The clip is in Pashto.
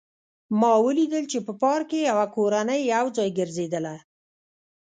ما ولیدل چې په پارک کې یوه کورنۍ یو ځای ګرځېدله